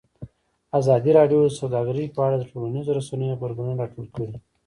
ازادي راډیو د سوداګري په اړه د ټولنیزو رسنیو غبرګونونه راټول کړي.